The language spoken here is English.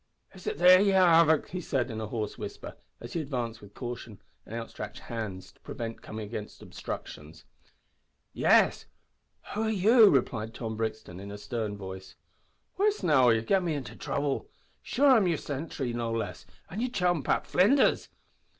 "Is it there ye are, avic?" he said, in a hoarse whisper, as he advanced with caution and outstretched hands to prevent coming against obstructions. "Yes; who are you?" replied Tom Brixton, in a stern voice. "Whist, now, or ye'll git me into throuble. Sure, I'm yer sintry, no less, an' yer chum Pat Flinders."